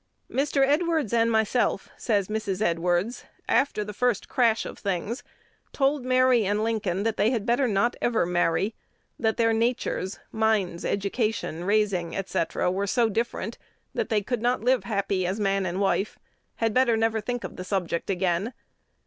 "Mr. Edwards and myself," says Mrs. Edwards, "after the first crash of things, told Mary and Lincoln that they had better not ever marry; that their natures, minds, education, raising, &c., were so different, that they could not live happy as man and wife; had better never think of the subject again.